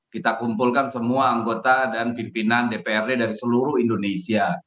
kita kumpulkan semua anggota dan pimpinan dprd dari seluruh indonesia